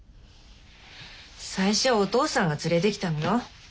最初はお義父さんが連れてきたのよ。